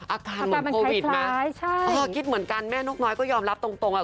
อาการเหมือนโควิดมั้ยคิดเหมือนกันแม่นกน้อยก็ยอมรับตรง